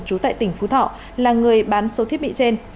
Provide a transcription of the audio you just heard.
trú tại tỉnh phú thọ là người bán số thiết bị trên